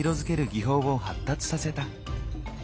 技法を発達させた。